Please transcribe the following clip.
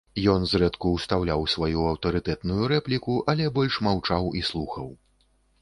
Ён зрэдку ўстаўляў сваю аўтарытэтную рэпліку, але больш маўчаў і слухаў.